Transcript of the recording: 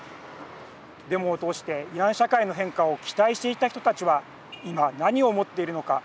デモを通してイラン社会の変化を期待していた人たちは今、何を思っているのか。